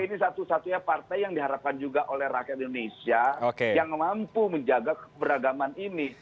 ini satu satunya partai yang diharapkan juga oleh rakyat indonesia yang mampu menjaga keberagaman ini